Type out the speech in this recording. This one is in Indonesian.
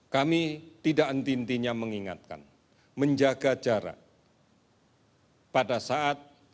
kami tidak entintinya mengingatkan menjaga jarak pada saat